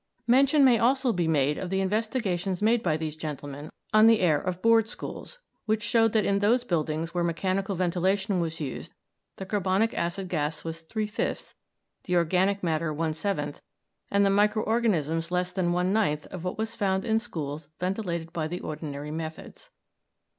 Mention may also here be made of the investigations made by these gentlemen on the air of Board schools, which showed that in those buildings where mechanical ventilation was used the carbonic acid gas was three fifths, the organic matter one seventh, and the micro organisms less than one ninth of what was found in schools ventilated by the ordinary methods.